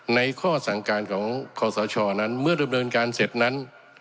ข้อสั่งการของคอสชนั้นเมื่อดำเนินการเสร็จนั้น